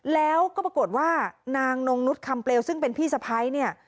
แล้วก็ปรากฏว่านางนงนุษย์คำเปลวซึ่งเป็นพี่สะพ้ายเนี่ย